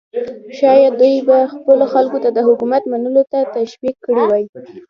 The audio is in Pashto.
شاید دوی به خپلو خلکو ته د حکومت منلو ته تشویق کړي وای.